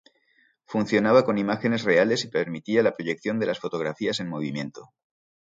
Funcionaba con imágenes reales y permitía la proyección de las fotografías en movimiento.